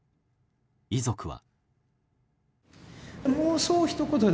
遺族は。